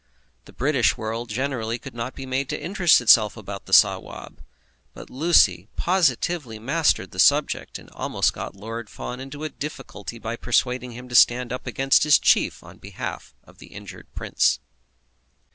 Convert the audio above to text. The British world generally could not be made to interest itself about the Sawab, but Lucy positively mastered the subject, and almost got Lord Fawn into a difficulty by persuading him to stand up against his chief on behalf of the injured prince.